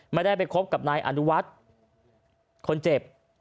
ไม่ได้ไปคบกับนายอนุวัฒน์คนเจ็บ